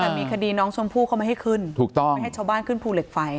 แต่มีคดีน้องชมพู่เขาไม่ให้ขึ้นถูกต้องไม่ให้ชาวบ้านขึ้นภูเหล็กไฟ